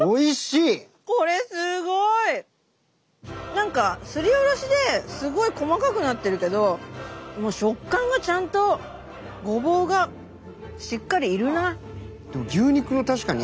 何かすりおろしですごい細かくなってるけど食感がちゃんとごぼうがしっかりいるな。